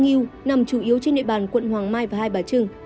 sông kim ngư nằm chủ yếu trên địa bàn quận hoàng mai và hai bà trưng